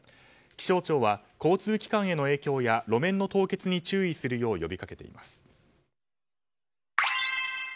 気象庁は交通機関への影響や路面の凍結に注意するよう呼びかけています。